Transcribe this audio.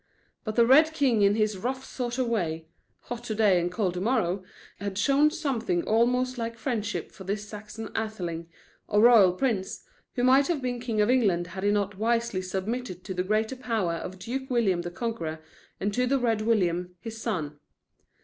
But the Red King in his rough sort of way hot to day and cold to morrow had shown something almost like friendship, for this Saxon Atheling, or royal prince, who might have been king of England had he not wisely submitted to the greater power of Duke William the Conqueror and to the Red William, his son.